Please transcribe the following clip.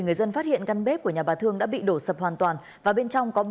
người dân phát hiện căn bếp của nhà bà thương đã bị đổ sập hoàn toàn và bên trong có